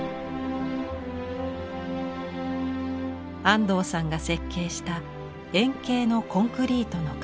安藤さんが設計した円形のコンクリートの壁。